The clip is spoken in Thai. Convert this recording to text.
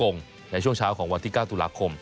ในช่วงเช้าของวันที่๙ตุลาคม